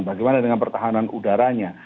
bagaimana dengan pertahanan udaranya